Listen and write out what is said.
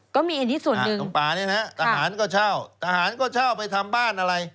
ก็มีอันนี้ส่วนหนึ่งของป่าเนี่ยนะฮะทหารก็เช่าทหารก็เช่าไปทำบ้านอะไร